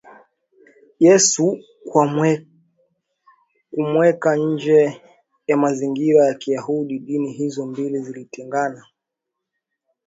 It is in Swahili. Yesu kwa kumweka nje ya mazingira ya Kiyahudi Dini hizo mbili zilitengana